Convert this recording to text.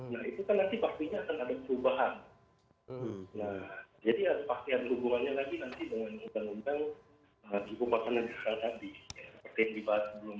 nah itu kan nanti baktinya akan ada perubahan jadi paktian hubungannya nanti dengan hutan hutan juga bakan nanti seperti yang dibahas sebelumnya